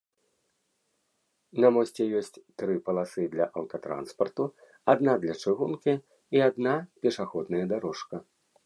На мосце ёсць тры паласы для аўтатранспарту, адна для чыгункі і адна пешаходная дарожка.